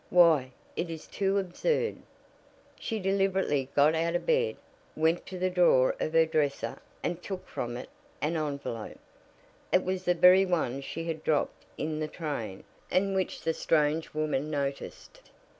"Why, it is too absurd " She deliberately got out of bed, went to the drawer of her dresser and took from it an envelope. It was the very one she had dropped in the train, and which the strange woman noticed.